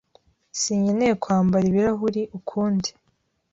Sinkeneye kwambara ibirahuri ukundi